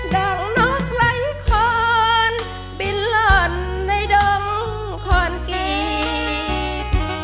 ดังนอกไล่ครอนบินร่อนในดมครอนกีฟ